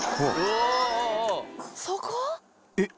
［えっ？